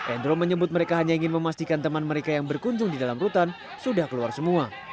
endro menyebut mereka hanya ingin memastikan teman mereka yang berkunjung di dalam rutan sudah keluar semua